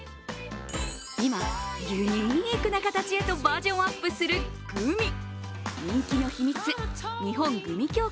今、ユニークな形へとバージョンアップするグミ。